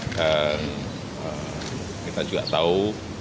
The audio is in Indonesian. dan kita juga tahu